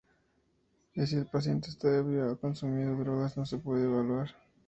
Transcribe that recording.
Si el paciente está ebrio o ha consumido drogas no se puede evaluar.